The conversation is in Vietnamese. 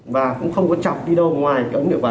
và cũng không có chọc đi đâu ngoài cái ống liệu quản này